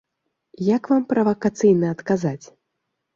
Як вам правакацыйна адказаць?